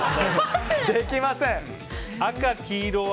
できません。